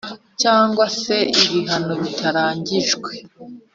Cyangwa se ibihano bitarangijwe